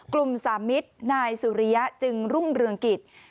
สามมิตรนายสุริยะจึงรุ่งเรืองกิจ